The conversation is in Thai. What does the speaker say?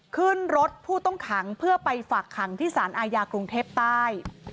ขึ้นรถผู้ต้องขังเพื่อไปฝากขังที่สารอาญากรุงเทพใต้